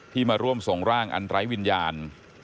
มาร่วมส่งร่างอันไร้วิญญาณ